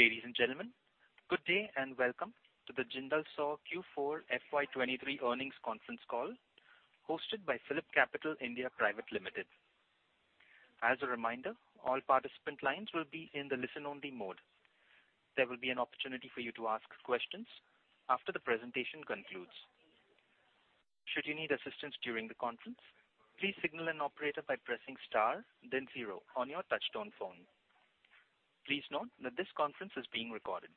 Ladies and gentlemen, good day and welcome to the Jindal SAW Q4 FY 2023 Earnings Conference Call hosted by PhillipCapital (India) Private Limited. As a reminder, all participant lines will be in the listen-only mode. There will be an opportunity for you to ask questions after the presentation concludes. Should you need assistance during the conference, please signal an operator by pressing star then zero on your touch-tone phone. Please note that this conference is being recorded.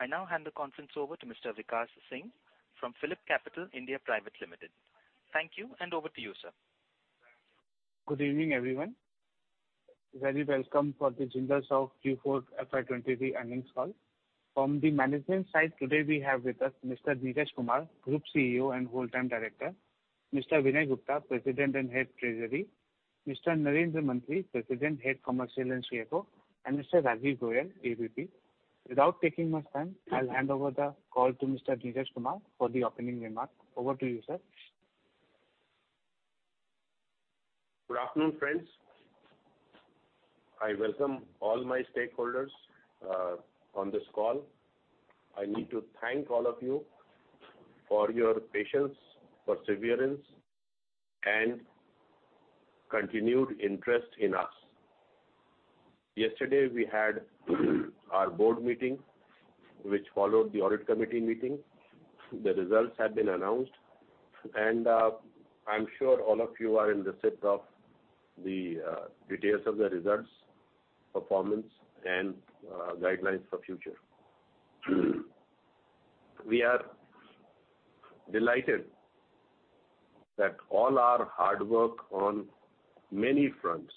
I now hand the conference over to Mr. Vikash Singh from PhillipCapital (India) Private Limited. Thank you. Over to you, sir. Good evening, everyone. Very welcome for the Jindal SAW Q4 FY 2023 earnings call. From the management side today we have with us Mr. Neeraj Kumar, Group CEO and Whole Time Director, Mr. Vinay Gupta, President and Head Treasury, Mr. Narendra Mantri, President Head Commercial and CFO, and Mr. Rajeev Goyal, AVP. Without taking much time, I'll hand over the call to Mr. Neeraj Kumar for the opening remarks. Over to you, sir. Good afternoon, friends. I welcome all my stakeholders on this call. I need to thank all of you for your patience, perseverance, and continued interest in us. Yesterday we had our board meeting, which followed the audit committee meeting. The results have been announced. I'm sure all of you are in the sit of the details of the results, performance and guidelines for future. We are delighted that all our hard work on many fronts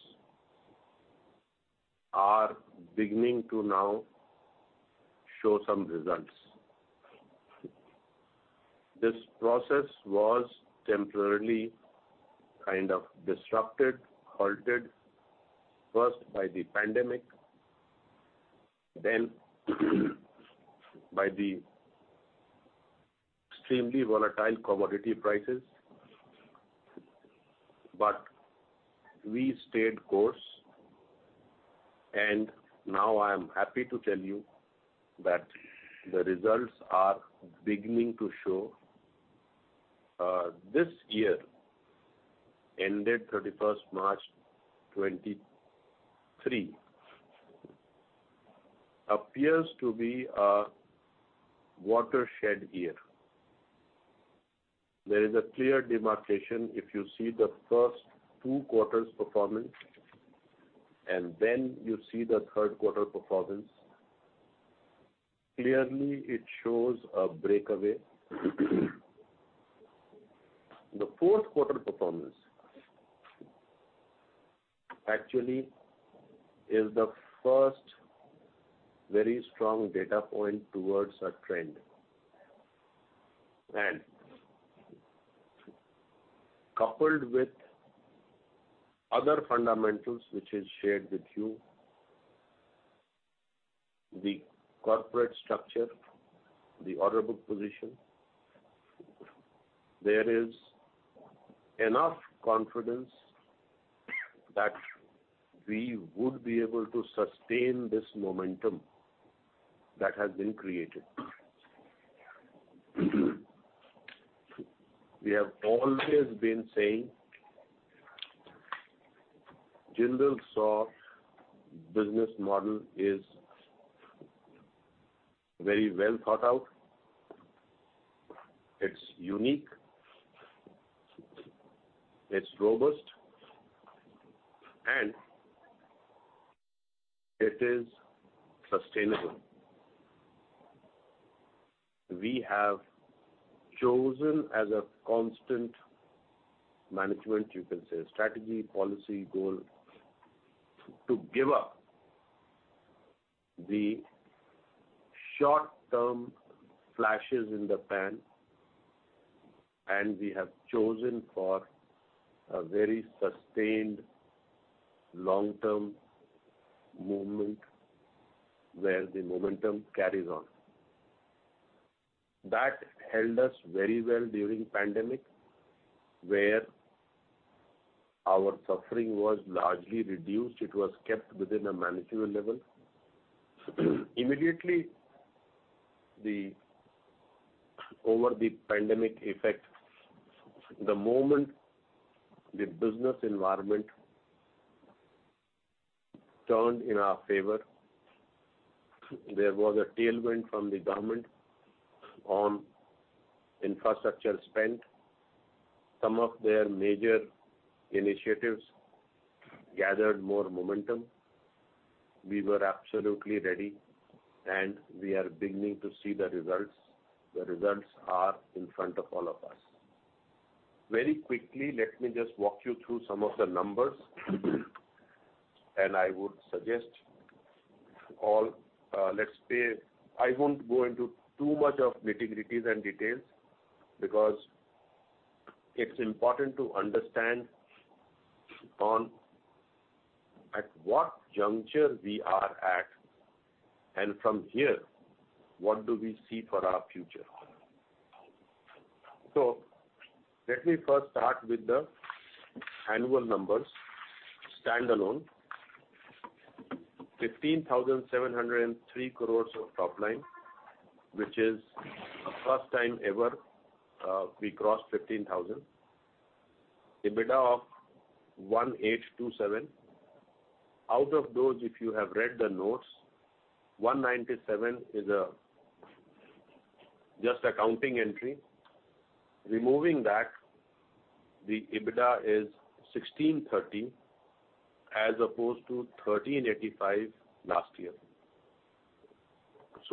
are beginning to now show some results. This process was temporarily kind of disrupted, halted, first by the pandemic, then by the extremely volatile commodity prices. We stayed course. Now I am happy to tell you that the results are beginning to show. This year, ended 31st March 2023, appears to be a watershed year. There is a clear demarcation if you see the first two quarters' performance and then you see the third quarter performance. Clearly, it shows a breakaway. The fourth quarter performance actually is the first very strong data point towards a trend. Coupled with other fundamentals which is shared with you, the corporate structure, the order book position, there is enough confidence that we would be able to sustain this momentum that has been created. We have always been saying Jindal SAW business model is very well thought out. It's unique, it's robust, and it is sustainable. We have chosen as a constant management, you can say, strategy, policy, goal, to give up the short-term flashes in the pan, and we have chosen for a very sustained long-term movement where the momentum carries on. That held us very well during pandemic, where our suffering was largely reduced. It was kept within a manageable level. Immediately, over the pandemic effect, the moment the business environment turned in our favor, there was a tailwind from the government on infrastructure spend. Some of their major initiatives gathered more momentum. We were absolutely ready, and we are beginning to see the results. The results are in front of all of us. Very quickly, let me just walk you through some of the numbers. I would suggest all, let's say... I won't go into too much of nitty-gritties and details because it's important to understand on at what juncture we are at and from here what do we see for our future. Let me first start with the annual numbers. Standalone 15,703 crore of top line, which is the first time ever, we crossed 15,000. EBITDA of 1,827. Out of those, if you have read the notes, 197 is a just accounting entry. Removing that, the EBITDA is 1,630, as opposed to 1,385 last year.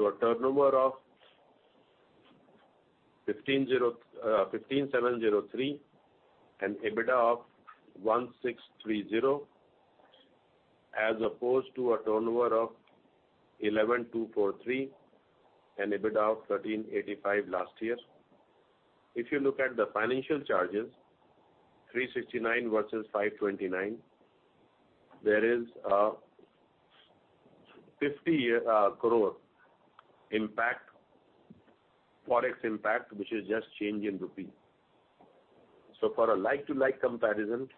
A turnover of 15,703 and EBITDA of 1,630, as opposed to a turnover of 11,243 and EBITDA of 1,385 last year. If you look at the financial charges, 369 versus 529, there is a 50 crore impact, Forex impact, which is just change in rupee. For a like-to-like comparison,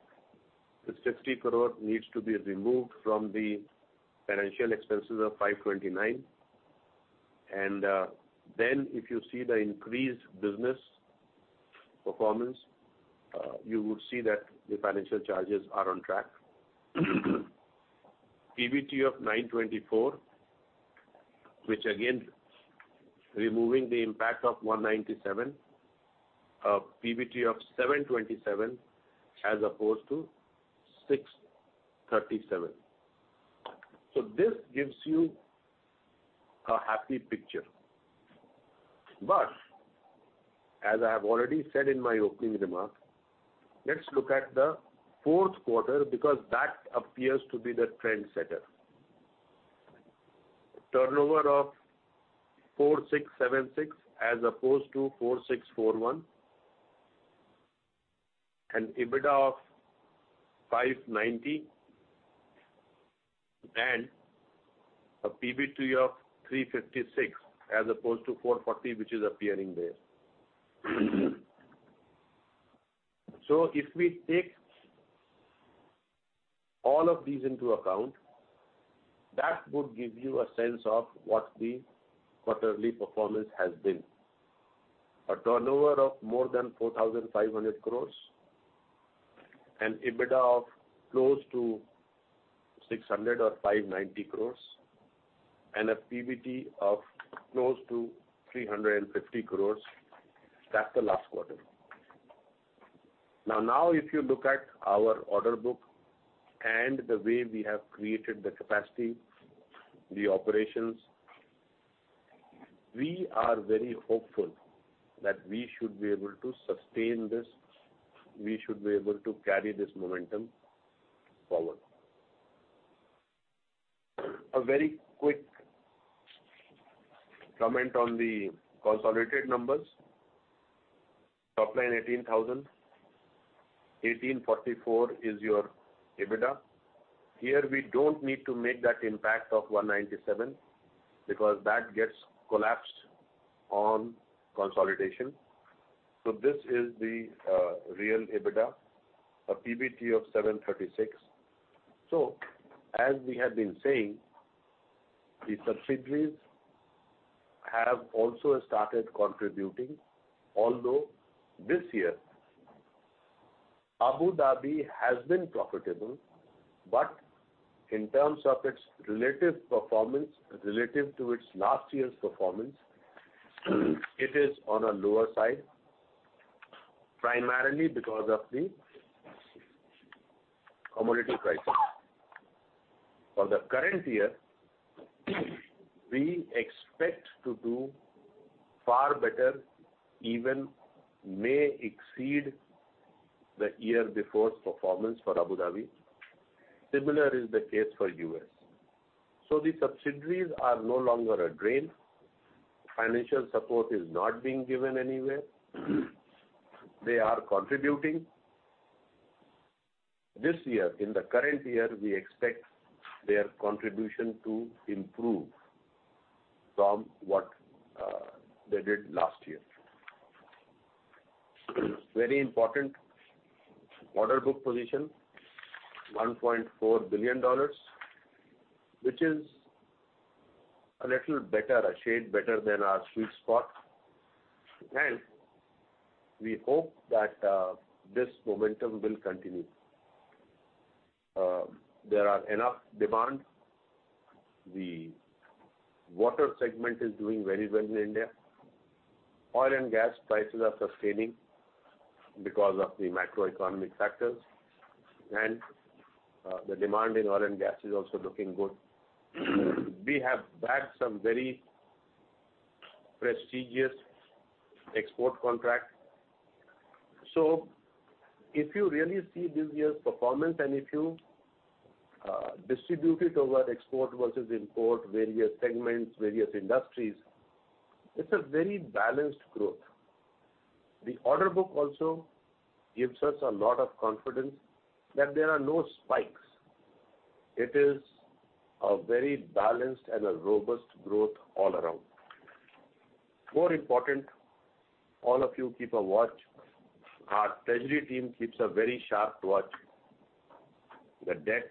the 60 crore needs to be removed from the financial expenses of 529. Then if you see the increased business performance, you would see that the financial charges are on track. PBT of 924, which again, removing the impact of 197, PBT of 727 as opposed to 637. This gives you a happy picture. As I have already said in my opening remark, let's look at the fourth quarter because that appears to be the trendsetter. Turnover of 4,676 as opposed to 4,641. An EBITDA of 590 and a PBT of 356 as opposed to 440 which is appearing there. If we take all of these into account, that would give you a sense of what the quarterly performance has been. A turnover of more than 4,500 crores and EBITDA of close to 600 or 590 crores and a PBT of close to 350 crores. That's the last quarter. Now if you look at our order book and the way we have created the capacity, the operations, we are very hopeful that we should be able to sustain this, we should be able to carry this momentum forward. A very quick comment on the consolidated numbers. Top line 18,000 crore. 1,844 crore is your EBITDA. Here we don't need to make that impact of 197 crore because that gets collapsed on consolidation. This is the real EBITDA, a PBT of 736 crore. As we have been saying, the subsidiaries have also started contributing, although this year Abu Dhabi has been profitable, but in terms of its relative performance, relative to its last year's performance, it is on a lower side, primarily because of the commodity prices. For the current year, we expect to do far better, even may exceed the year before's performance for Abu Dhabi. Similar is the case for U.S. The subsidiaries are no longer a drain. Financial support is not being given anywhere. They are contributing. This year, in the current year, we expect their contribution to improve from what they did last year. Very important order book position, $1.4 billion, which is a little better, a shade better than our sweet spot, and we hope that this momentum will continue. There are enough demand. The Water segment is doing very well in India. Oil & Gas prices are sustaining because of the macroeconomic factors, and the demand in Oil & Gas is also looking good. We have bagged some very prestigious export contract. If you really see this year's performance and if you distribute it over export versus import, various segments, various industries, it's a very balanced growth. The order book also gives us a lot of confidence that there are no spikes. It is a very balanced and a robust growth all around. More important, all of you keep a watch. Our treasury team keeps a very sharp watch. The debt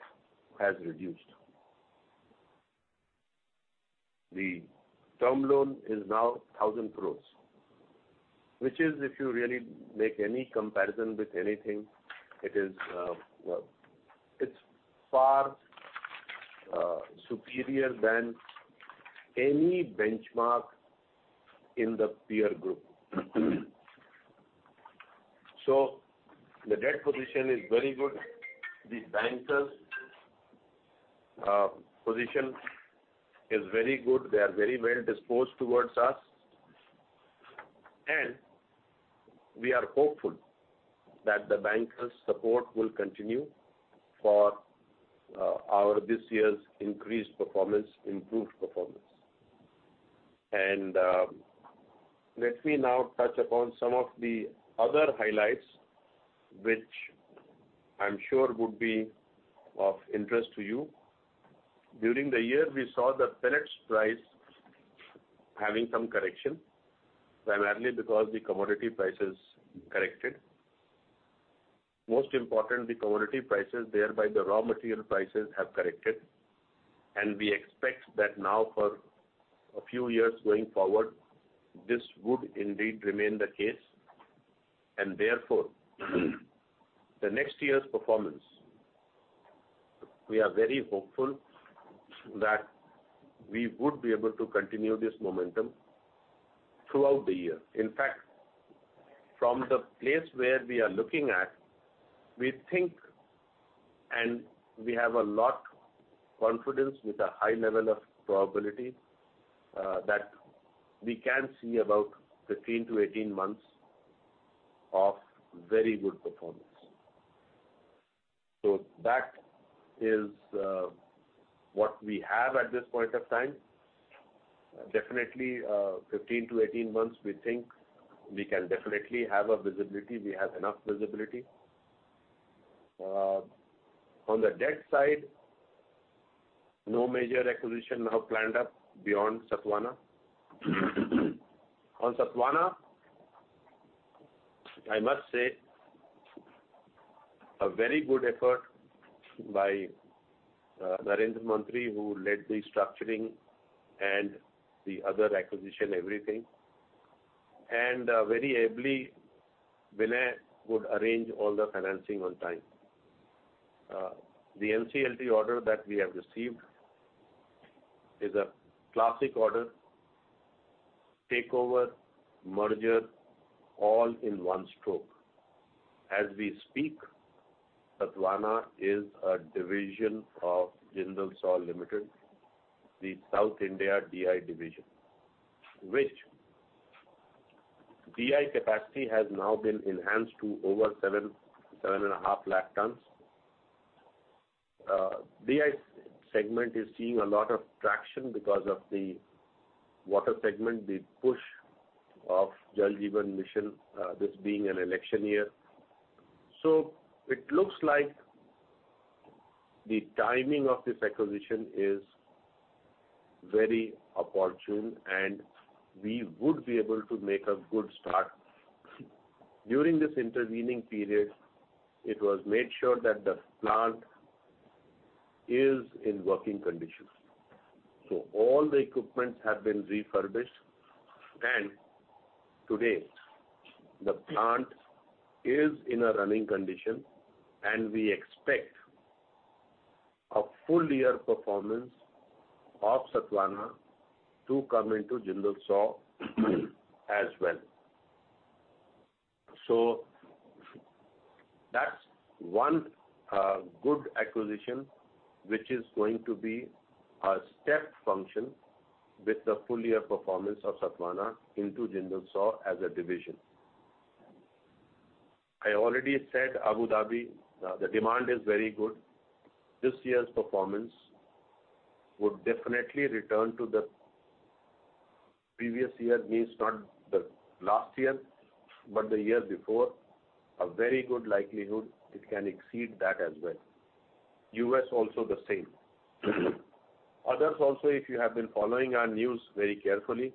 has reduced. The term loan is now 1,000 crore, which is if you really make any comparison with anything, it is, it's far superior than any benchmark in the peer group. The debt position is very good. The bankers' position is very good. They are very well disposed towards us. We are hopeful that the bankers' support will continue for our this year's increased performance, improved performance. Let me now touch upon some of the other highlights which I'm sure would be of interest to you. During the year, we saw the pellets price having some correction, primarily because the commodity prices corrected. Most importantly, commodity prices, thereby the raw material prices have corrected, and we expect that now for a few years going forward, this would indeed remain the case. Therefore, the next year's performance, we are very hopeful that we would be able to continue this momentum throughout the year. In fact, from the place where we are looking at, we think, and we have a lot confidence with a high level of probability that we can see about 15-18 months of very good performance. That is what we have at this point of time. Definitely, 15-18 months, we think we can definitely have a visibility. We have enough visibility. On the debt side, no major acquisition now planned up beyond Sathavahana. On Sathavahana, I must say, a very good effort by Narendra Mantri, who led the structuring and the other acquisition, everything. Very ably, Vinay would arrange all the financing on time. The NCLT order that we have received is a classic order, takeover, merger, all in one stroke. As we speak, Sathavahana is a division of Jindal SAW Limited, the South India DI division, which DI capacity has now been enhanced to over 7.5 lakh tons. DI segment is seeing a lot of traction because of the Water segment, the push of Jal Jeevan Mission, this being an election year. It looks like the timing of this acquisition is very opportune, and we would be able to make a good start. During this intervening period, it was made sure that the plant is in working condition. All the equipment have been refurbished, and today the plant is in a running condition and we expect a full year performance of Sathavahana to come into Jindal SAW as well. That's one good acquisition, which is going to be a step function with the full year performance of Sathavahana into Jindal SAW as a division. I already said Abu Dhabi, the demand is very good. This year's performance would definitely return to the previous year, means not the last year, but the year before. A very good likelihood it can exceed that as well. U.S. also the same. Others also, if you have been following our news very carefully,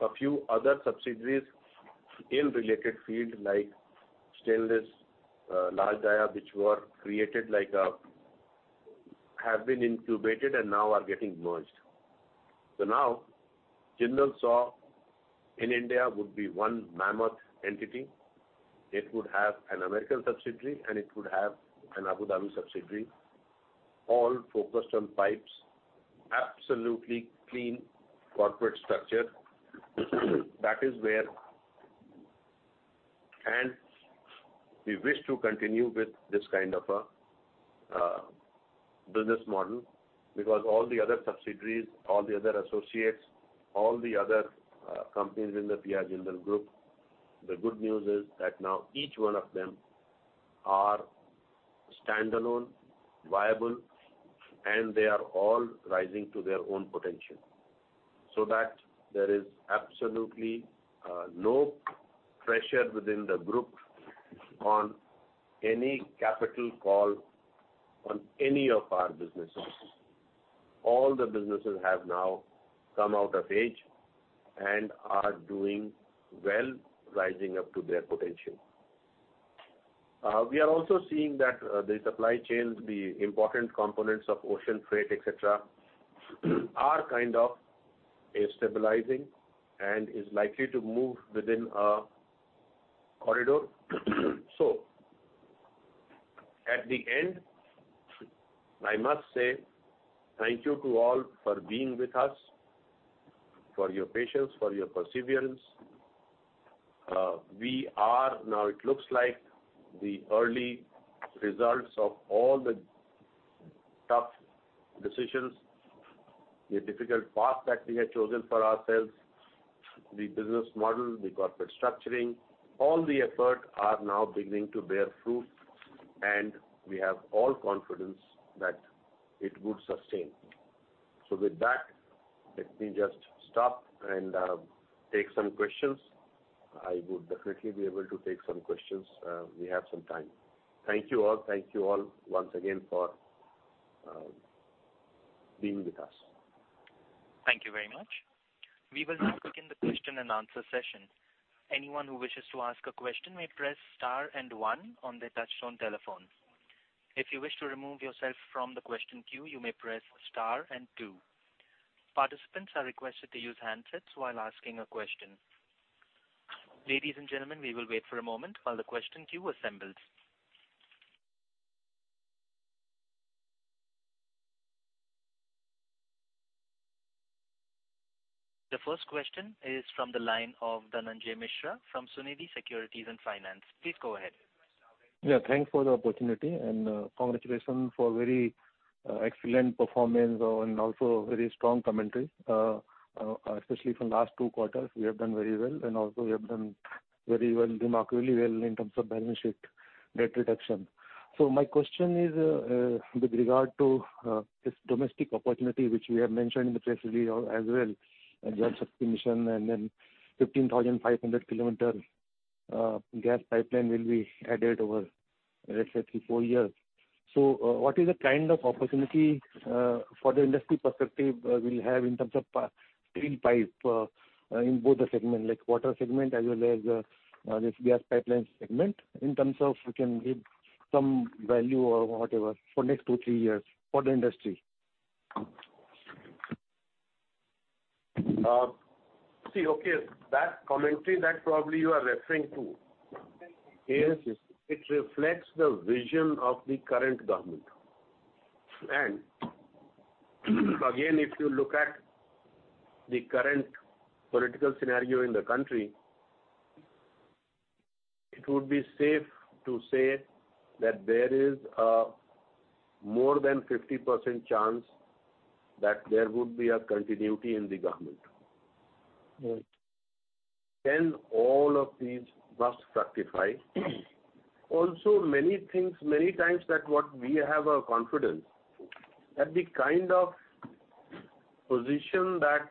a few other subsidiaries in related field like Stainless, large diameter which were created like, have been incubated and now are getting merged. Now, Jindal SAW in India would be one mammoth entity. It would have an American subsidiary, and it would have an Abu Dhabi subsidiary, all focused on pipes. Absolutely clean corporate structure. That is where. We wish to continue with this kind of business model because all the other subsidiaries, all the other associates, all the other companies in the P.R. Jindal Group, the good news is that now each one of them are standalone, viable, and they are all rising to their own potential. That there is absolutely no pressure within the group on any capital call on any of our businesses. All the businesses have now come out of age and are doing well, rising up to their potential. We are also seeing that the supply chains, the important components of ocean freight, et cetera, are kind of stabilizing and is likely to move within a corridor. At the end, I must say thank you to all for being with us, for your patience, for your perseverance. We are now it looks like the early results of all the tough decisions, the difficult path that we had chosen for ourselves, the business model, the corporate structuring, all the effort are now beginning to bear fruit, and we have all confidence that it would sustain. With that, let me just stop and take some questions. I would definitely be able to take some questions. We have some time. Thank you all. Thank you all once again for being with us. Thank you very much. We will now begin the question and answer session. Anyone who wishes to ask a question may press star and two on their touchtone telephone. If you wish to remove yourself from the question queue, you may press star and two. Participants are requested to use handsets while asking a question. Ladies and gentlemen, we will wait for a moment while the question queue assembles. The first question is from the line of Dhananjay Mishra from Sunidhi Securities & Finance. Please go ahead. Thanks for the opportunity and congratulations for very excellent performance and also very strong commentary. Especially from last two quarters, we have done very well and also we have done very well, remarkably well in terms of balance sheet debt reduction. My question is with regard to this domestic opportunity which we have mentioned in the press release as well, and gas submission and then 15,500 kilometer gas pipeline will be added over, let's say 3-4 years. What is the kind of opportunity for the industry perspective will have in terms of steel pipe in both the segment like Water segment as well as this gas pipeline segment in terms of you can give some value or whatever for next 2-3 years for the industry. See, okay, that commentary that probably you are referring to is it reflects the vision of the current government. Again, if you look at the current political scenario in the country, it would be safe to say that there is a more than 50% chance that there would be a continuity in the government. Right. All of these must fructify. Many things, many times that what we have a confidence that the kind of position that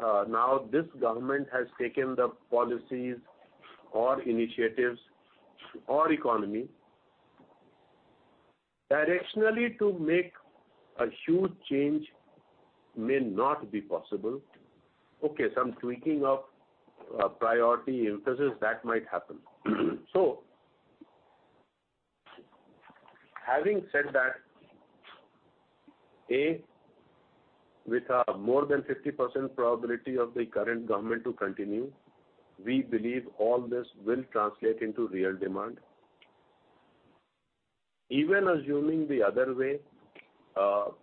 now this government has taken the policies or initiatives or economy directionally to make a huge change may not be possible. Okay. Some tweaking of priority emphasis that might happen. Having said that, A, with a more than 50% probability of the current government to continue, we believe all this will translate into real demand. Even assuming the other way,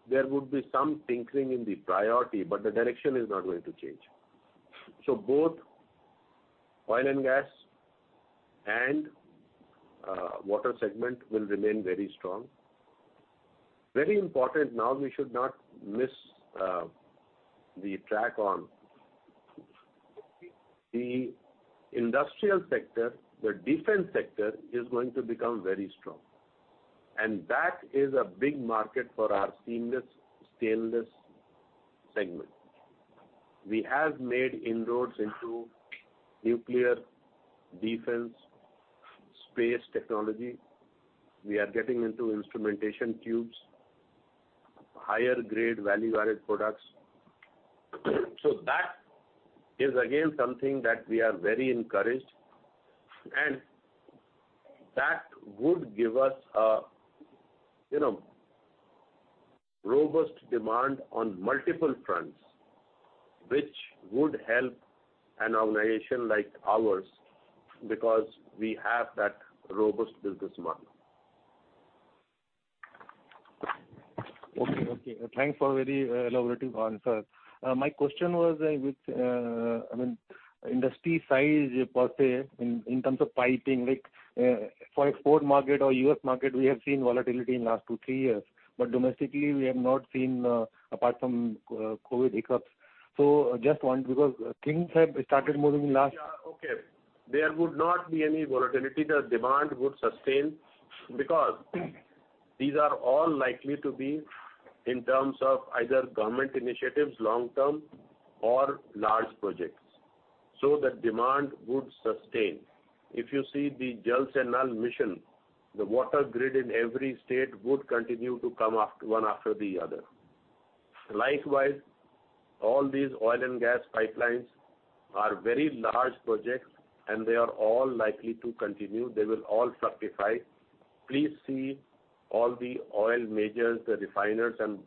there would be some tinkering in the priority, but the direction is not going to change. Both Oil & Gas and Water segment will remain very strong. Very important now we should not miss the track on the industrial sector. The defense sector is going to become very strong, and that is a big market for our seamless Stainless segment. We have made inroads into nuclear, defense, space technology. We are getting into instrumentation tubes, higher grade value-added products. That is again something that we are very encouraged and that would give us a, you know, robust demand on multiple fronts, which would help an organization like ours because we have that robust business model. Okay. Thanks for very elaborative answer. My question was with, I mean, industry size per se in terms of piping, like, for export market or U.S. market, we have seen volatility in last two, three years. But domestically we have not seen, apart from COVID hiccups. Just want because things have started moving. Yeah. Okay. There would not be any volatility. The demand would sustain because these are all likely to be in terms of either government initiatives long term or large projects. The demand would sustain. If you see the Jal Jeevan Mission, the water grid in every state would continue to come one after the other. Likewise, all these Oil & Gas pipelines are very large projects, and they are all likely to continue. They will all justify. Please see all the oil majors, the refiners and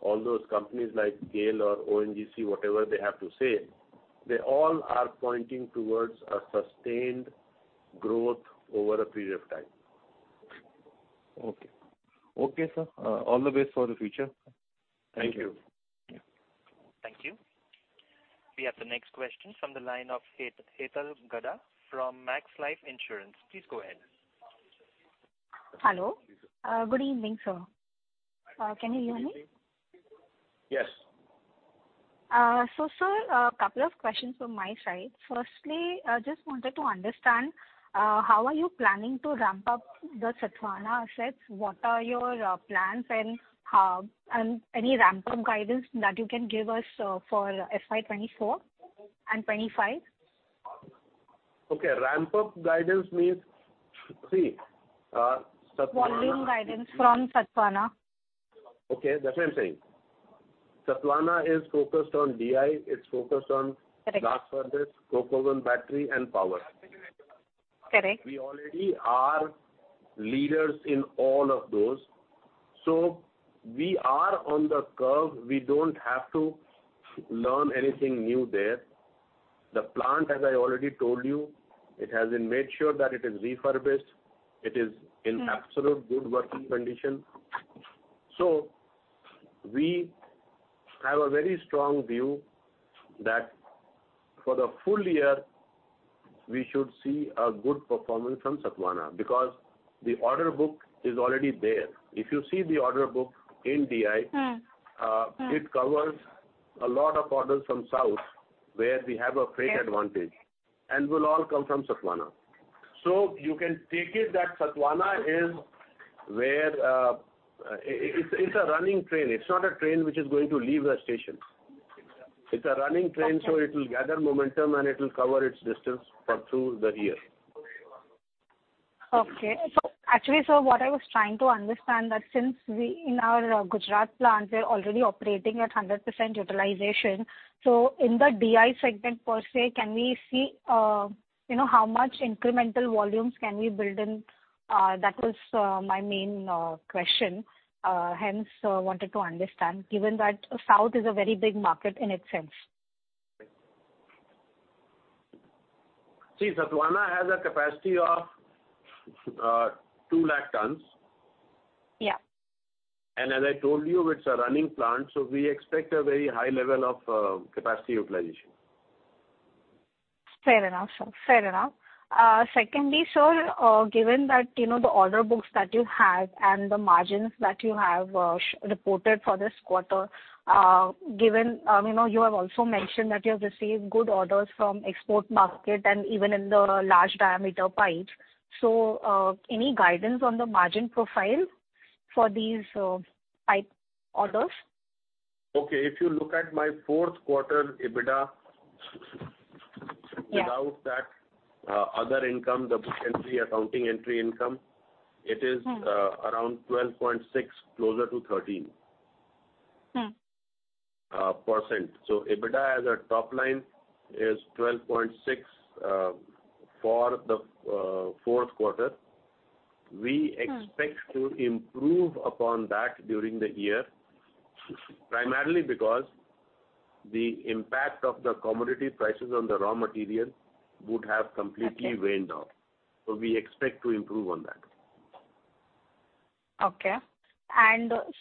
all those companies like GAIL or ONGC, whatever they have to say, they all are pointing towards a sustained growth over a period of time. Okay. Okay, sir. All the best for the future. Thank you. Yeah. Thank you. We have the next question from the line of Hetal Gada from Max Life Insurance. Please go ahead. Hello. Good evening, sir. Can you hear me? Yes. Sir, a couple of questions from my side. Firstly, I just wanted to understand, how are you planning to ramp up the Sathavahana assets? What are your plans and any ramp-up guidance that you can give us, for FY 2024 and 2025? Okay, ramp-up guidance means, see, Sathavahana. Volume guidance from Sathavahana. Okay, that's what I'm saying. Sathavahana is focused on DI, it's focused on- Correct. ...glass furnace, focused on battery and power. Correct. We already are leaders in all of those. We are on the curve. We don't have to learn anything new there. The plant, as I already told you, it has been made sure that it is refurbished. It is in absolute good working condition. We have a very strong view that for the full year, we should see a good performance from Sathavahana because the order book is already there. If you see the order book in DI- Mm. Mm. It covers a lot of orders from South where we have a freight advantage, and will all come from Sathavahana. You can take it that Sathavahana is where, it's a running train. It's not a train which is going to leave the station. It's a running train. Okay. It will gather momentum and it will cover its distance through the year. Actually, sir, what I was trying to understand that since we in our Gujarat plants are already operating at 100% utilization, in the DI segment per se, can we see, you know, how much incremental volumes can we build in? That was my main question, hence wanted to understand, given that South is a very big market in itself. Sathavahana has a capacity of 2 lakh tons. Yeah. As I told you, it's a running plant, so we expect a very high level of capacity utilization. Fair enough, sir. Fair enough. Secondly, sir, given that, you know, the order books that you have and the margins that you have reported for this quarter, given, you know, you have also mentioned that you have received good orders from export market and even in the large diameter pipes. Any guidance on the margin profile for these pipe orders? Okay. If you look at my fourth quarter EBITDA- Yeah. ... without that, other income, the book entry, accounting entry income, it is, around 12.6%, closer to 13%. Mm.... EBITDA as a top line is 12.6% for the fourth quarter. We expect to improve upon that during the year, primarily because the impact of the commodity prices on the raw material would have completely waned out. We expect to improve on that. Okay.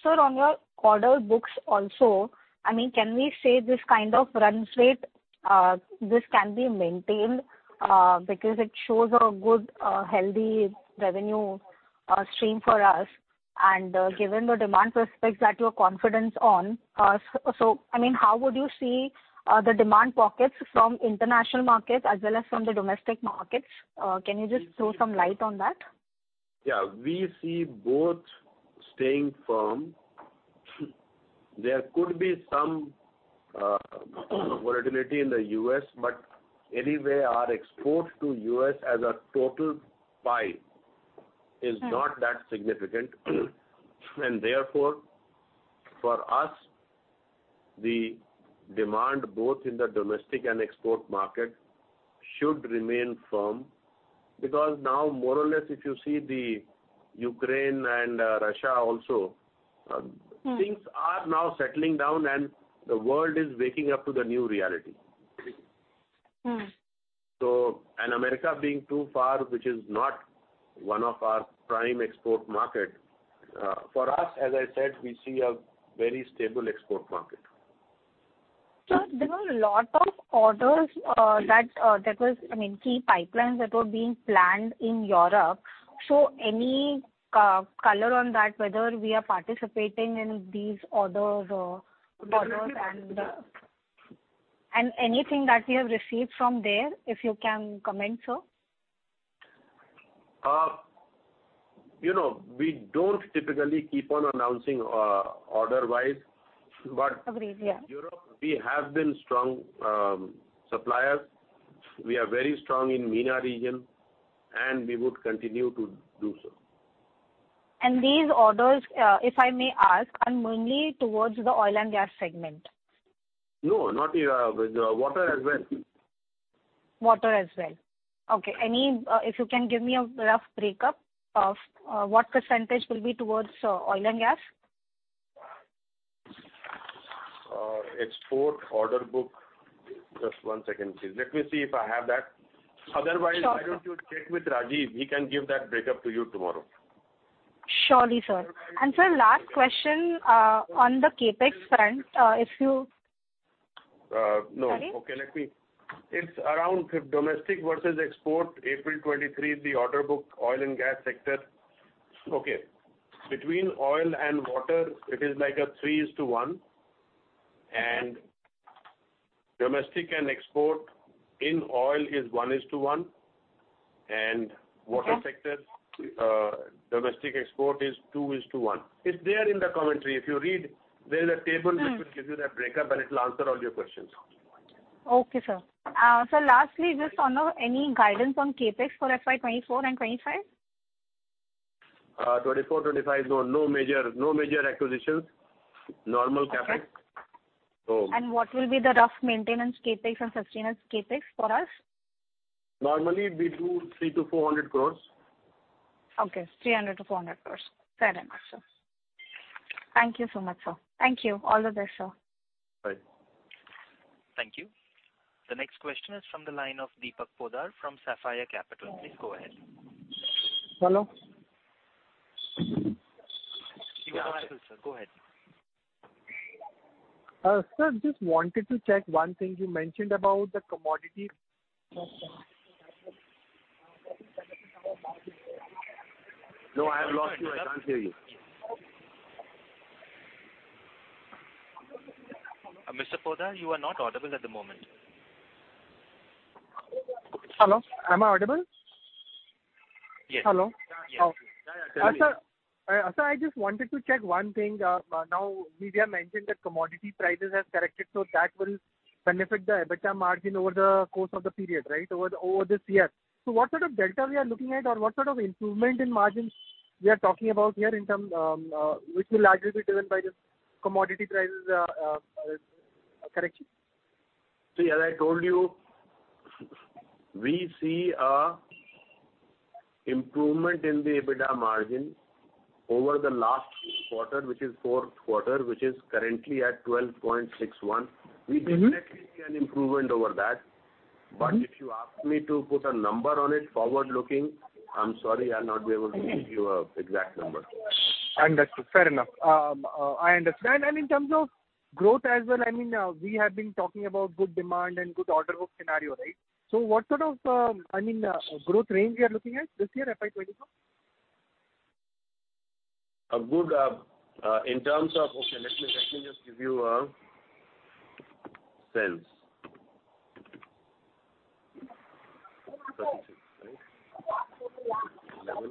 Sir, on your order books also, I mean, can we say this kind of run rate, this can be maintained? Because it shows a good, healthy revenue stream for us. Given the demand prospects that you are confident on, so I mean, how would you see the demand pockets from international markets as well as from the domestic markets? Can you just throw some light on that? Yeah. We see both staying firm. There could be some volatility in the U.S., but anyway our exports to U.S. as a total pie is not that significant. Therefore, for us, the demand both in the domestic and export market should remain firm because now more or less, if you see the Ukraine and Russia also. Mm. Things are now settling down and the world is waking up to the new reality. Mm. America being too far, which is not one of our prime export market, for us, as I said, we see a very stable export market. Sir, there were lot of orders, that was, I mean, key pipelines that were being planned in Europe. Any color on that, whether we are participating in these orders and anything that we have received from there, if you can comment so? You know, we don't typically keep on announcing, order-wise. Agreed. Yeah. Europe, we have been strong suppliers. We are very strong in MENA region. We would continue to do so. These orders, if I may ask, are mainly towards the Oil & Gas segment? No, not. With Water as well. Water as well. Okay. If you can give me a rough breakup of what percentage will be towards Oil & Gas? export order book. Just one second, please. Let me see if I have that. Sure, sir. Otherwise, why don't you check with Rajeev? He can give that breakup to you tomorrow. Surely, sir. Sir, last question on the CapEx front. No. Sorry. Okay, It's around domestic versus export April 2023, the order book Oil & Gas sector. Okay. Between Oil and Water, it is like a 3 is to 1. Domestic and export in Oil is 1 is to 1. Okay. Water sector, domestic export is 2 is to 1. It's there in the commentary. If you read, there's a table- Mm-hmm. which will give you that breakup, and it'll answer all your questions. Okay, sir. Sir, lastly, just on the any guidance on CapEx for FY 2024 and 2025? 2024, 2025, no major acquisitions. Normal CapEx. Okay. So- What will be the rough maintenance CapEx and sustenance CapEx for us? Normally we do 300 crores-400 crores. Okay. 300 crores-400 crores. Fair enough, sir. Thank you so much, sir. Thank you. All the best, sir. Bye. Thank you. The next question is from the line of Deepak Poddar from Sapphire Capital. Please go ahead. Hello. Yeah. Go ahead, sir. Go ahead. Sir, just wanted to check one thing. You mentioned about the commodity. I have lost you. I can't hear you. Mr. Poddar, you are not audible at the moment. Hello. Am I audible? Yes. Hello. Yes. Tell me. Sir, I just wanted to check one thing. Now we have mentioned that commodity prices have corrected, so that will benefit the EBITDA margin over the course of the period, right? Over this year. What sort of delta we are looking at or what sort of improvement in margins we are talking about here in term, which will largely be driven by the commodity prices correction? See, as I told you, we see a improvement in the EBITDA margin over the last quarter, which is fourth quarter, which is currently at 12.61%. Mm-hmm. We definitely see an improvement over that. Mm-hmm. If you ask me to put a number on it forward looking, I'm sorry, I'll not be able to give you a exact number. Understood. Fair enough. I understand. In terms of growth as well, I mean, we have been talking about good demand and good order book scenario, right? What sort of, I mean, growth range we are looking at this year, FY 2024? Okay, let me just give you a sense. 36, right?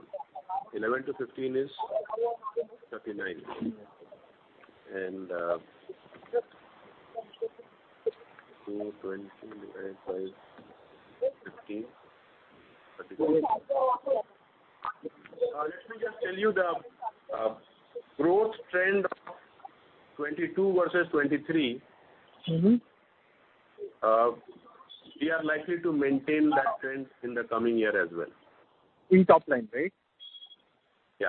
11 to 15 is 39. 220 divided by 15, 32. Let me just tell you the growth trend of 2022 versus 2023. Mm-hmm. We are likely to maintain that trend in the coming year as well. In top line, right? Yeah.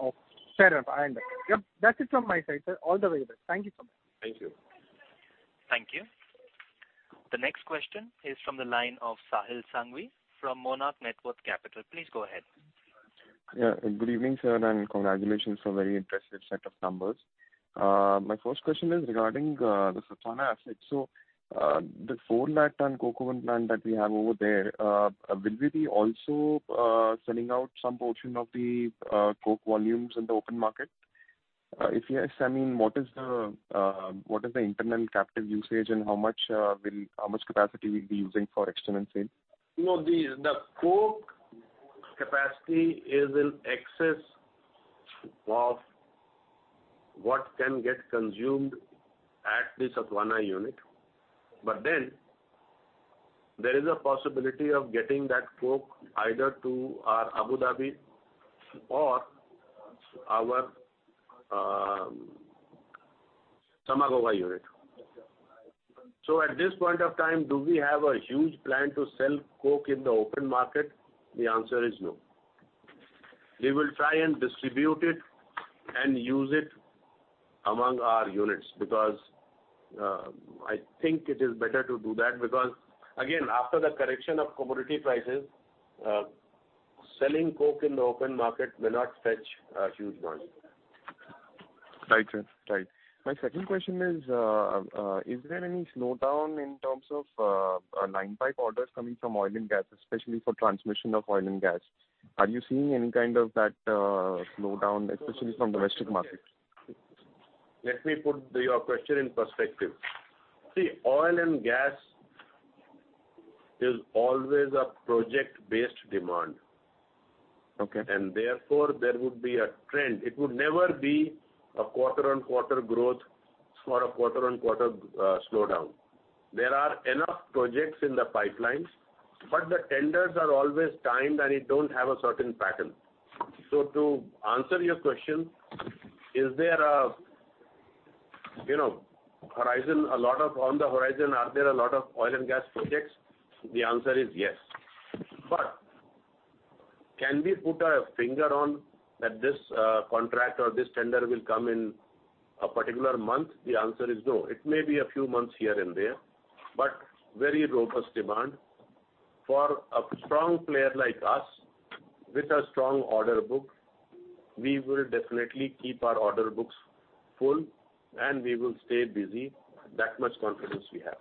Okay. Fair enough. I understand. Yep, that's it from my side, sir. All the very best. Thank you so much. Thank you. Thank you. The next question is from the line of Sahil Sanghvi from Monarch Networth Capital. Please go ahead. Good evening, sir, and congratulations for very impressive set of numbers. My first question is regarding the Sathavahana assets. The 4 lakh ton coke oven plant that we have over there, will we be also selling out some portion of the coke volumes in the open market? If yes, I mean, what is the internal captive usage, and how much capacity we'll be using for external sale? No, the coke capacity is in excess of what can get consumed at the Sathavahana unit. There is a possibility of getting that coke either to our Abu Dhabi or our Samaghogha unit. At this point of time, do we have a huge plan to sell coke in the open market? The answer is no. We will try and distribute it and use it among our units because I think it is better to do that because again, after the correction of commodity prices, selling coke in the open market will not fetch a huge money. Right, sir. Right. My second question is there any slowdown in terms of line pipe orders coming from Oil & Gas, especially for transmission of Oil & Gas? Are you seeing any kind of that slowdown, especially from the Western markets? Let me put your question in perspective. Oil & Gas is always a project-based demand. Okay. Therefore, there would be a trend. It would never be a quarter on quarter growth or a quarter on quarter slowdown. There are enough projects in the pipelines, but the tenders are always timed and it don't have a certain pattern. To answer your question, is there a, you know, lot of on the horizon, are there a lot of Oil & Gas projects? The answer is yes. Can we put a finger on that this contract or this tender will come in a particular month? The answer is no. It may be a few months here and there, but very robust demand. For a strong player like us with a strong order book, we will definitely keep our order books full and we will stay busy. That much confidence we have.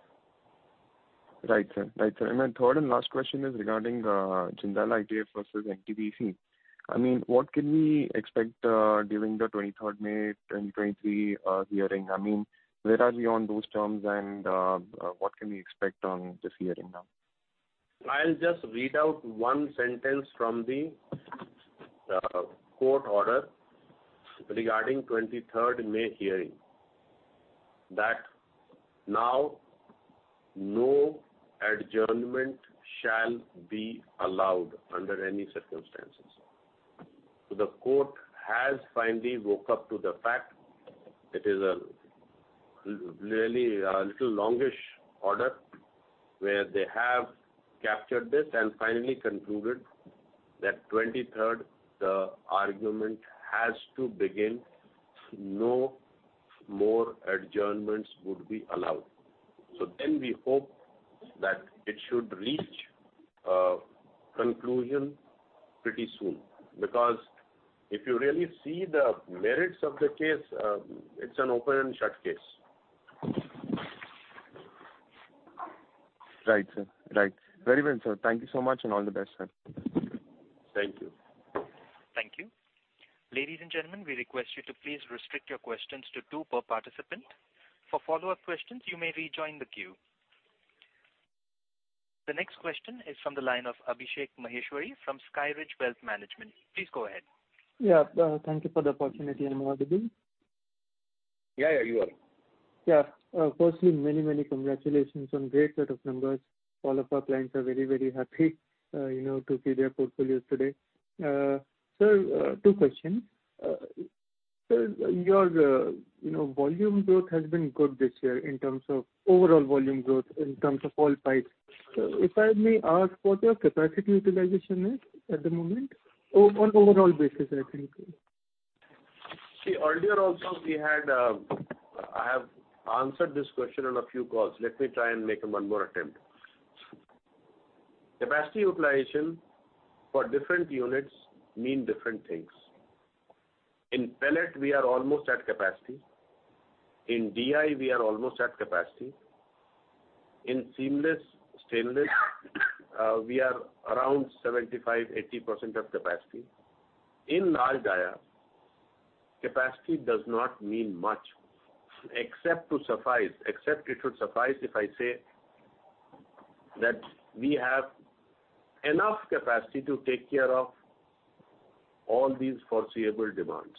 Right, sir. Right, sir. My third and last question is regarding Jindal ITF versus NTPC. I mean, what can we expect during the 23rd May 2023 hearing? I mean, where are we on those terms? What can we expect on this hearing now? I'll just read out one sentence from the court order regarding 23rd May hearing. That now no adjournment shall be allowed under any circumstances. The court has finally woke up to the fact. It is really a little longish order where they have captured this and finally concluded that 23rd, the argument has to begin. No more adjournments would be allowed. We hope that it should reach a conclusion pretty soon because if you really see the merits of the case, it's an open and shut case. Right, sir. Right. Very well, sir. Thank you so much and all the best, sir. Thank you. Thank you. Ladies and gentlemen, we request you to please restrict your questions to two per participant. For follow-up questions, you may rejoin the queue. The next question is from the line of Abhishek Maheshwari from SkyRidge Wealth Management. Please go ahead. Yeah. Thank you for the opportunity and good morning. Yeah, yeah. You are welcome. Firstly, many, many congratulations on great set of numbers. All of our clients are very, very happy, you know, to see their portfolios today. Sir, two questions. Sir, your, you know, volume growth has been good this year in terms of overall volume growth in terms of all pipes. If I may ask what your capacity utilization is at the moment on overall basis, I think? Earlier also we had, I have answered this question on a few calls. Let me try and make one more attempt. Capacity utilization for different units mean different things. In pellet we are almost at capacity. In DI we are almost at capacity. In seamless stainless, we are around 75%, 80% of capacity. In large diameter, capacity does not mean much except to suffice if I say that we have enough capacity to take care of all these foreseeable demands.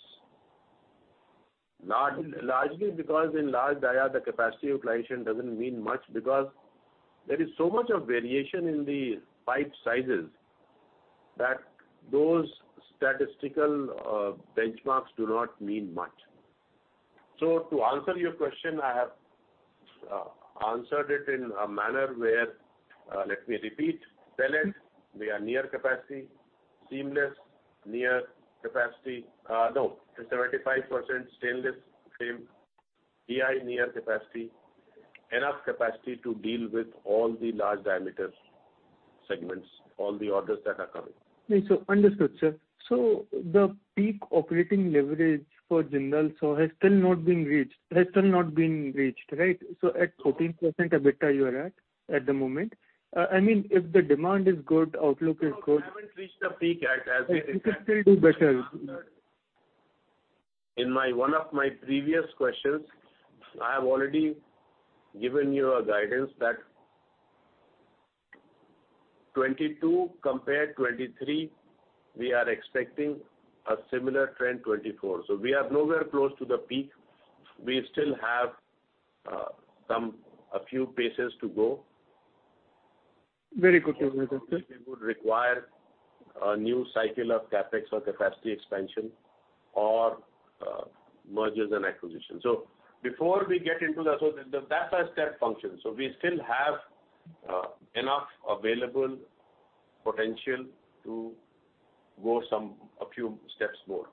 Largely because in large diameter the capacity utilization doesn't mean much because there is so much of variation in the pipe sizes that those statistical benchmarks do not mean much. To answer your question, I have answered it in a manner where, let me repeat. Pellet we are near capacity. Seamless near capacity. No, it's 75% Stainless same. DI near capacity. Enough capacity to deal with all the large diameter segments, all the orders that are coming. Yes, sir. Understood, sir. The peak operating leverage for Jindal SAW has still not been reached, right? At 14% EBITDA you are at the moment. I mean, if the demand is good, outlook is good. No, we haven't reached the peak yet. As we discussed- It could still do better. In one of my previous questions, I have already given you a guidance that 2022 compared 2023 we are expecting a similar trend 2024. We are nowhere close to the peak. We still have a few paces to go. Very good to hear that, sir. It would require a new cycle of CapEx or capacity expansion or mergers and acquisitions. Before we get into that, so that's a step function. We still have enough available potential to go some, a few steps more.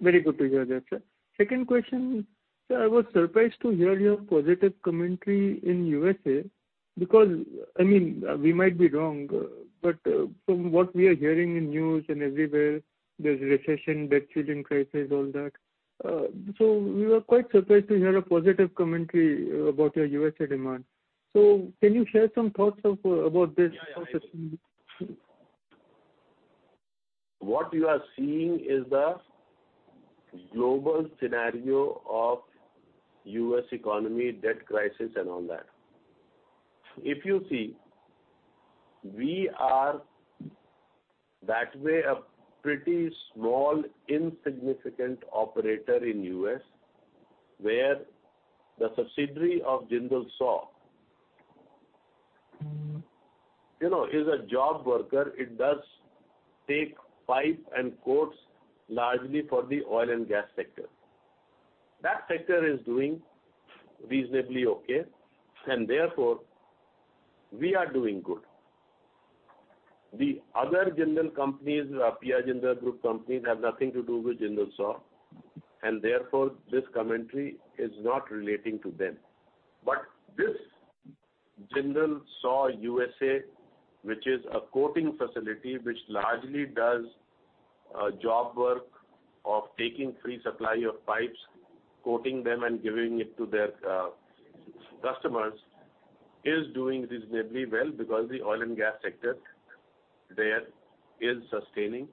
Very good to hear that, sir. Second question. Sir, I was surprised to hear your positive commentary in USA because I mean, we might be wrong, but from what we are hearing in news and everywhere, there's recession, debt ceiling crisis, all that. We were quite surprised to hear a positive commentary about your USA demand. Can you share some thoughts of, about this process? Yeah, yeah. What you are seeing is the global scenario of U.S. economy debt crisis and all that. If you see, we are that way a pretty small insignificant operator in U.S., where the subsidiary of Jindal SAW- Mm-hmm. You know, is a job worker. It does take pipe and coats largely for the Oil & Gas sector. That sector is doing reasonably okay. Therefore we are doing good. The other Jindal companies or P.R. Jindal Group companies have nothing to do with Jindal SAW. Therefore this commentary is not relating to them. This Jindal SAW USA, which is a coating facility which largely does job work of taking free supply of pipes, coating them and giving it to their customers, is doing reasonably well because the Oil & Gas sector there is sustaining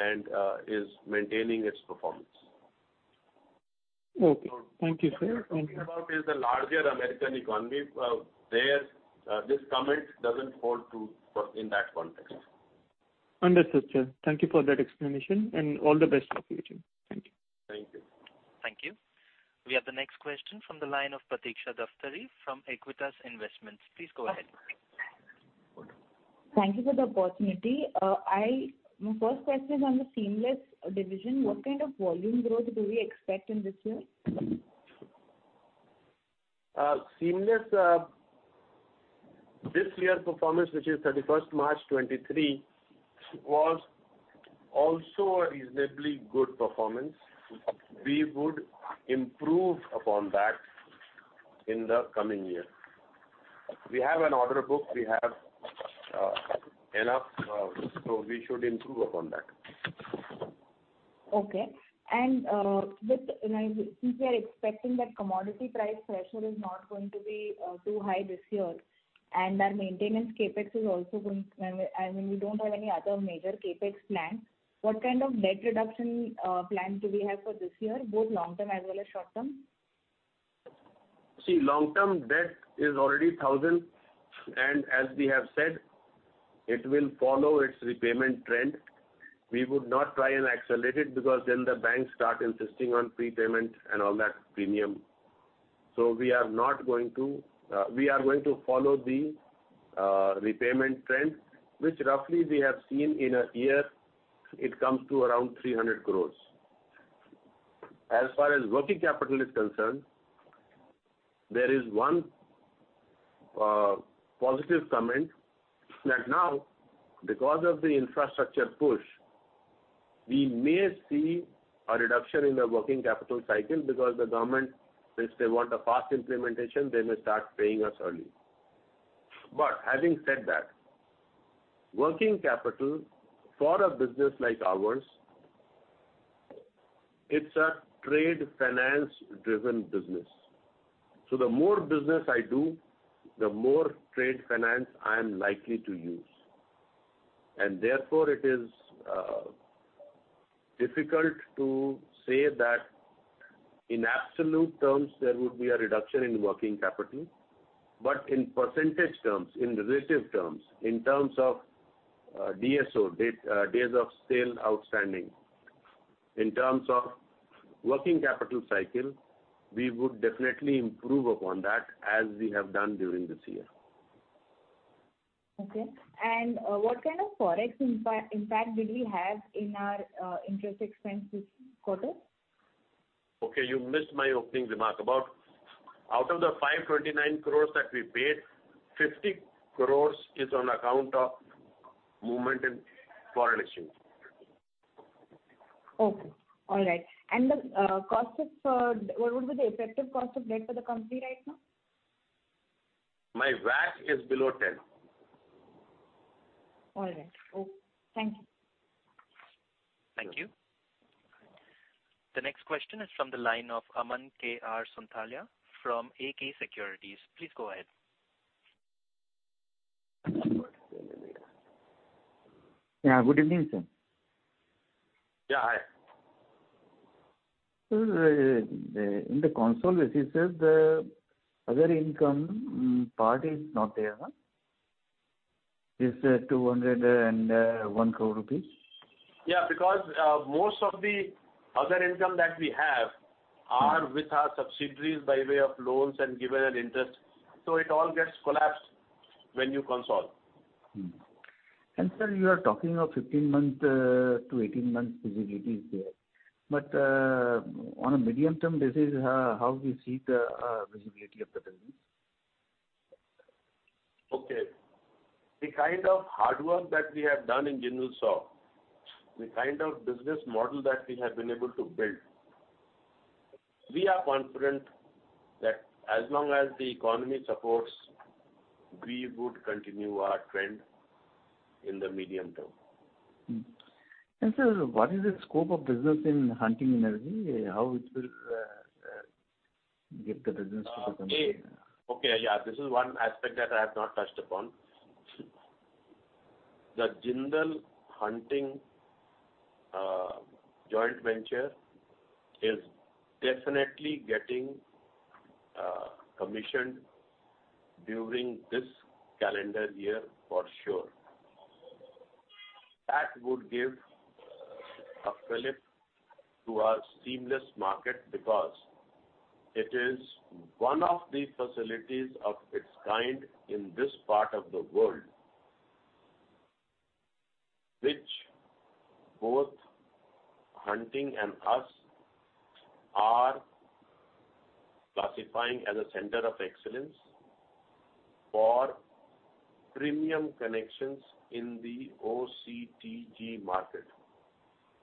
and is maintaining its performance. Okay. Thank you, sir. What we are talking about is the larger American economy. There, this comment doesn't hold true for... in that context. Understood, sir. Thank you for that explanation, and all the best for future. Thank you. Thank you. Thank you. We have the next question from the line of Pratiksha Daftari from Aequitas Investments. Please go ahead. Good. Thank you for the opportunity. My first question is on the seamless division. What kind of volume growth do we expect in this year? Seamless, this year's performance, which is 31st March 2023, was also a reasonably good performance. We would improve upon that in the coming year. We have an order book, we have enough, we should improve upon that. Okay. Since we are expecting that commodity price pressure is not going to be too high this year, and we don't have any other major CapEx plans, what kind of debt reduction plan do we have for this year, both long term as well as short term? Long-term debt is already 1,000, and as we have said, it will follow its repayment trend. We would not try and accelerate it because then the banks start insisting on prepayment and all that premium. We are going to follow the repayment trend, which roughly we have seen in a year it comes to around 300 crores. As far as working capital is concerned, there is one positive comment that now because of the infrastructure push, we may see a reduction in the working capital cycle because the government, since they want a fast implementation, they may start paying us early. Having said that, working capital for a business like ours, it's a trade finance driven business. The more business I do, the more trade finance I am likely to use. Therefore it is difficult to say that in absolute terms there would be a reduction in working capital. In percentage terms, in relative terms, in terms of DSO, days of sale outstanding, in terms of working capital cycle, we would definitely improve upon that as we have done during this year. Okay. What kind of Forex impact did we have in our interest expense this quarter? Okay, you missed my opening remark. Out of the 529 crores that we paid, 50 crores is on account of movement in foreign exchange. Okay. All right. What would be the effective cost of debt for the company right now? My WACC is below 10%. All right. Thank you. Thank you. The next question is from the line of Aman K.R. Sonthalia from A.K. Securities. Please go ahead. Yeah, good evening, sir. Yeah, hi. Sir, in the consolidations, the other income part is not there, huh? This 201 crore rupees. Most of the other income that we have are with our subsidiaries by way of loans and given an interest. It all gets collapsed when you consolidate. You are talking of 15-month to 18 months visibility is there. On a medium term, this is how we see the visibility of the business. Okay. The kind of hard work that we have done in Jindal SAW, the kind of business model that we have been able to build, we are confident that as long as the economy supports, we would continue our trend in the medium term. Mm-hmm. Sir, what is the scope of business in Hunting Energy? How it will get the business. Okay. Okay, yeah. This is one aspect that I have not touched upon. The Jindal Hunting joint venture is definitely getting commissioned during this calendar year for sure. That would give a fillip to our seamless market because it is one of the facilities of its kind in this part of the world. Which both Hunting and us are classifying as a center of excellence for premium connections in the OCTG market.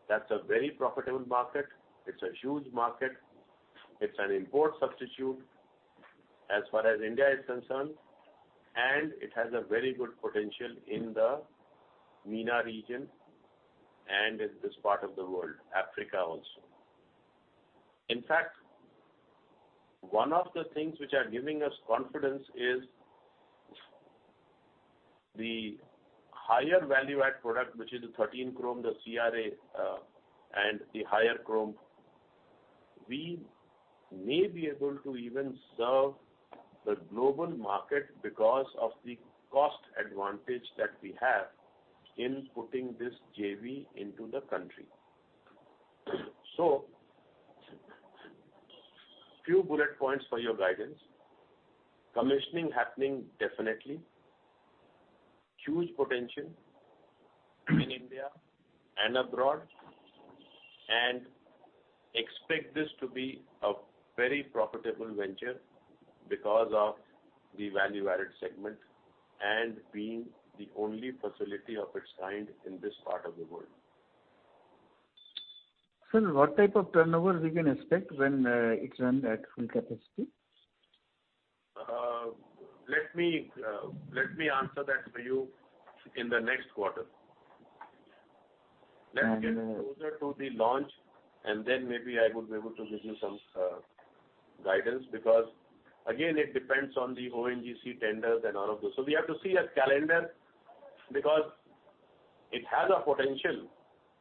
That's a very profitable market. It's a huge market. It's an import substitute as far as India is concerned, and it has a very good potential in the MENA region and in this part of the world, Africa also. In fact, one of the things which are giving us confidence is the higher value-add product, which is the 13 Chrome, the CRA, and the higher chrome. We may be able to even serve the global market because of the cost advantage that we have in putting this JV into the country. Few bullet points for your guidance. Commissioning happening definitely. Huge potential in India and abroad. Expect this to be a very profitable venture because of the value-added segment and being the only facility of its kind in this part of the world. Sir, what type of turnover we can expect when it's run at full capacity? Let me answer that for you in the next quarter. Mm-hmm. Let's get closer to the launch, and then maybe I would be able to give you some guidance. Again, it depends on the ONGC tenders and all of those. We have to see a calendar because it has a potential,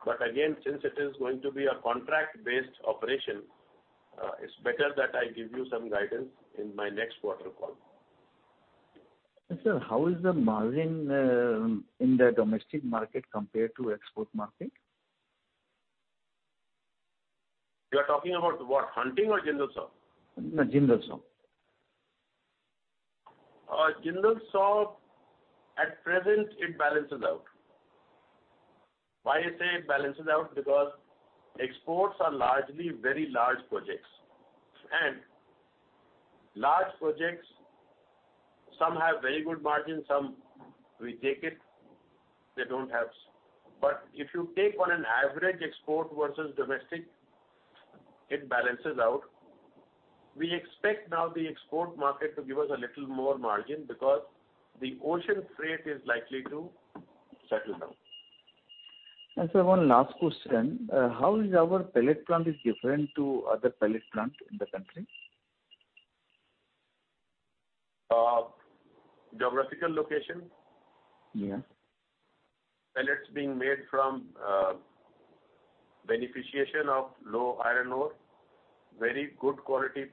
but again, since it is going to be a contract-based operation, it's better that I give you some guidance in my next quarter call. Sir, how is the margin in the domestic market compared to export market? You're talking about what? Hunting or Jindal SAW? No, Jindal SAW. Jindal SAW, at present it balances out. Why I say it balances out, because exports are largely very large projects. Large projects, some have very good margin, some we take it, they don't have. If you take on an average export versus domestic, it balances out. We expect now the export market to give us a little more margin because the ocean freight is likely to settle down. Sir, one last question. How is our pellet plant is different to other pellet plant in the country? geographical location. Yes. Pellets being made from, beneficiation of low iron ore, very good quality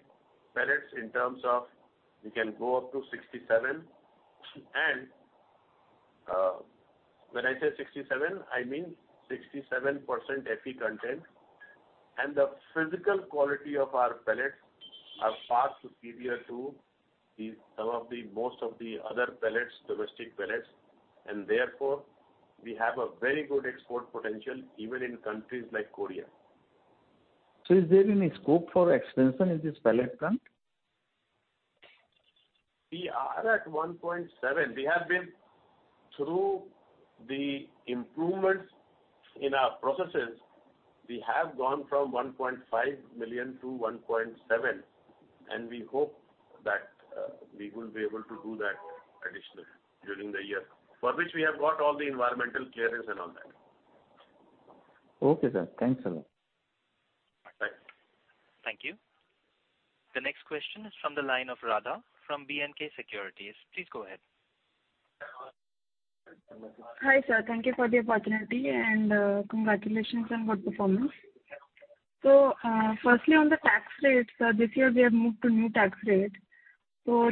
pellets in terms of we can go up to 67. When I say 67, I mean 67% Fe content. The physical quality of our pellets are far superior to the, some of the, most of the other pellets, domestic pellets. Therefore, we have a very good export potential even in countries like Korea. Is there any scope for expansion in this pellet plant? We are at 1.7 million. We have been through the improvements in our processes. We have gone from 1.5 million-1.7 million, and we hope that we will be able to do that additional during the year. For which we have got all the environmental clearance and all that. Okay, sir. Thanks a lot. Right. Thank you. The next question is from the line of Radha from B&K Securities. Please go ahead. Hi sir, thank you for the opportunity and congratulations on good performance. Firstly on the tax rates, this year we have moved to new tax rate.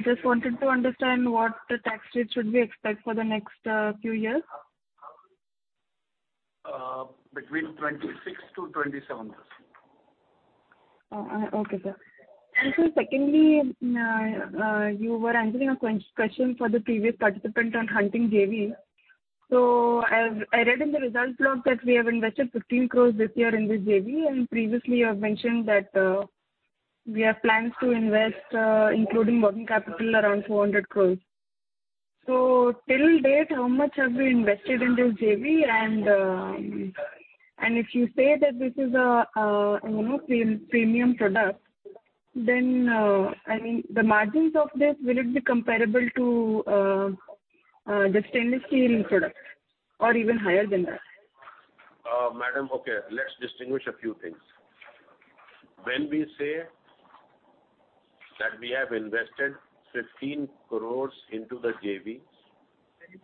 Just wanted to understand what tax rate should we expect for the next few years? Between 26%-27%. Okay, sir. Sir, secondly, you were answering a question for the previous participant on Hunting JV. I've, I read in the results blog that we have invested 15 crores this year in this JV, and previously you have mentioned that we have plans to invest, including working capital around 200 crores. Till date, how much have we invested in this JV? If you say that this is a, you know, premium product, I mean, the margins of this, will it be comparable to the stainless steel ring product or even higher than that? Madam. Okay. Let's distinguish a few things. When we say that we have invested 15 crore into the JV,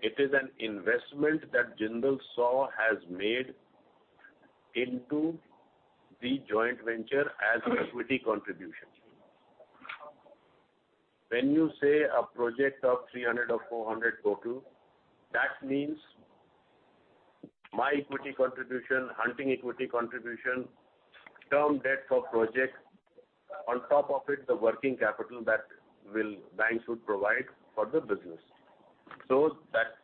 it is an investment that Jindal SAW has made into the joint venture as equity contribution. When you say a project of 300 or 400 total, that means my equity contribution, Hunting equity contribution, term debt for project. On top of it, the working capital that banks would provide for the business. That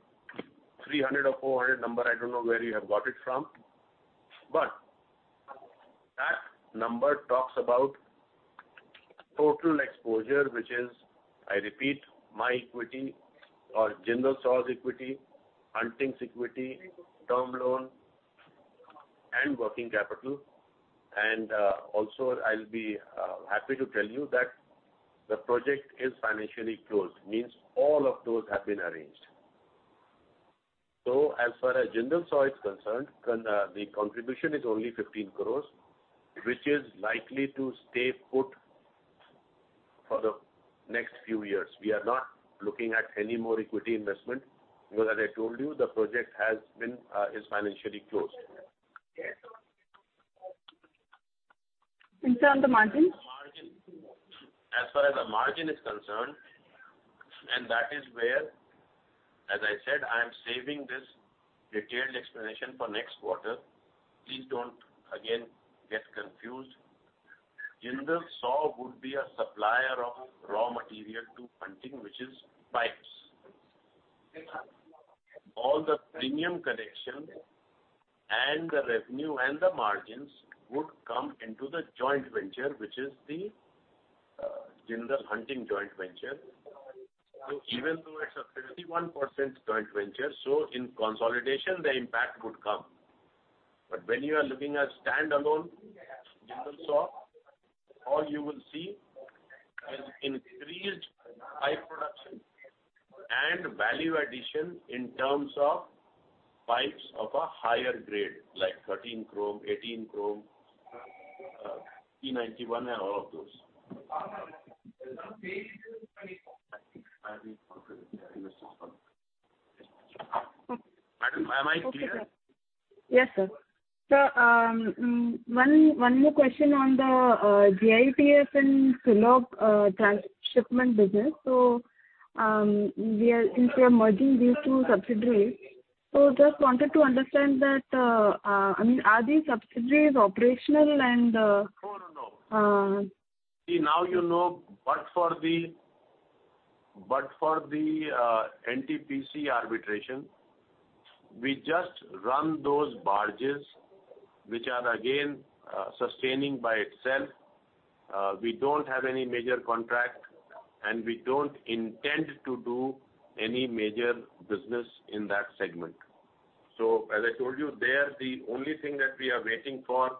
300 or 400 number, I don't know where you have got it from, but that number talks about total exposure, which is, I repeat, my equity or Jindal SAW's equity, Hunting's equity, term loan and working capital. Also, I'll be happy to tell you that the project is financially closed. Means all of those have been arranged. As far as Jindal SAW is concerned, the contribution is only 15 crores, which is likely to stay put for the next few years. We are not looking at any more equity investment because as I told you, the project has been financially closed. Okay? Sir, the margin? Margin. As far as the margin is concerned, that is where, as I said, I am saving this detailed explanation for next quarter. Please don't again get confused. Jindal SAW would be a supplier of raw material to Hunting, which is pipes. All the premium connection and the revenue and the margins would come into the joint venture, which is the Jindal Hunting joint venture. Even though it's a 31% joint venture, in consolidation the impact would come. When you are looking at standalone Jindal SAW, all you will see is increased pipe production and value addition in terms of pipes of a higher grade, like 13 Chrome, 18 Chrome, T91 and all of those. Okay. Madam, am I clear? Okay, sir. Yes, sir. One more question on the JITF and Sulog, Transshipment business. Since we are merging these two subsidiaries, just wanted to understand that, I mean, are these subsidiaries operational and? Oh, no. Uh. See, now, you know, but for the NTPC arbitration, we just run those barges which are again, sustaining by itself. We don't have any major contract, and we don't intend to do any major business in that segment. As I told you there, the only thing that we are waiting for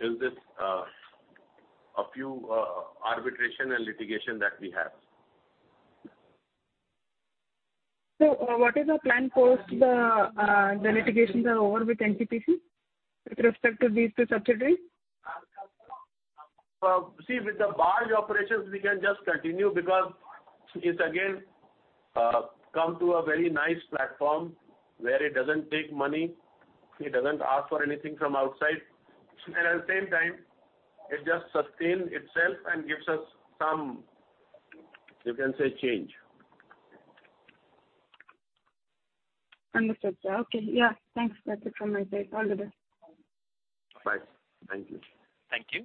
is this, a few, arbitration and litigation that we have. What is the plan post the litigations are over with NTPC with respect to these two subsidiaries? See, with the barge operations, we can just continue because it's again come to a very nice platform where it doesn't take money, it doesn't ask for anything from outside, and at the same time it just sustains itself and gives us some, you can say change. Understood, sir. Okay. Yeah. Thanks. That's it from my side. All the best. Bye. Thank you. Thank you.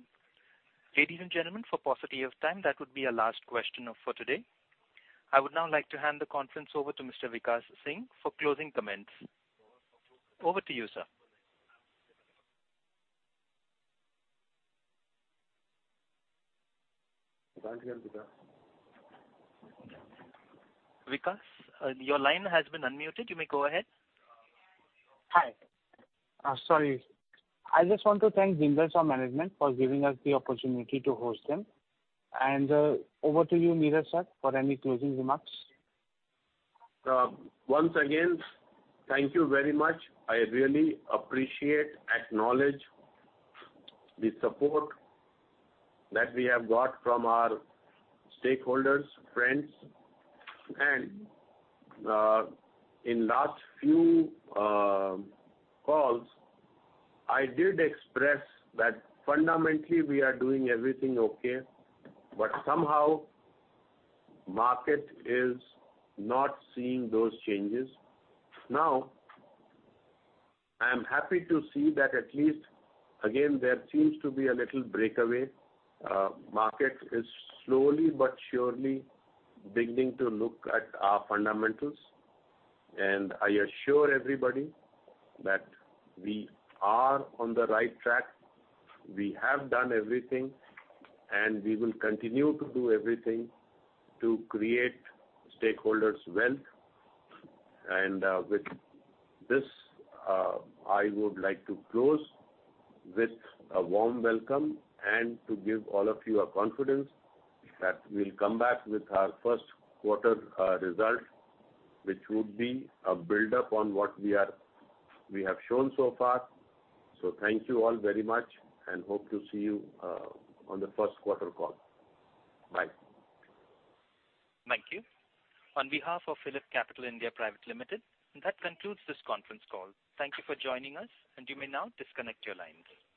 Ladies and gentlemen, for paucity of time, that would be our last question for today. I would now like to hand the conference over to Mr. Vikash Singh for closing comments. Over to you, sir. Vikash, can you hear? Vikas, your line has been unmuted. You may go ahead. Hi. Sorry. I just want to thank Jindal SAW management for giving us the opportunity to host them. Over to you, Neeraj sir, for any closing remarks. Once again, thank you very much. I really appreciate, acknowledge the support that we have got from our stakeholders, friends, and in last few calls, I did express that fundamentally we are doing everything okay, but somehow market is not seeing those changes. Now I am happy to see that at least again, there seems to be a little breakaway. Market is slowly but surely beginning to look at our fundamentals. I assure everybody that we are on the right track. We have done everything, and we will continue to do everything to create stakeholders' wealth. With this, I would like to close with a warm welcome and to give all of you a confidence that we'll come back with our first quarter results, which would be a build up on what we have shown so far. Thank you all very much and hope to see you on the first quarter call. Bye. Thank you. On behalf of PhillipCapital India Private Limited, that concludes this conference call. Thank you for joining us, and you may now disconnect your lines.